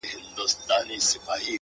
زه د تورسترگو سره دغسي سپين سترگی يمه”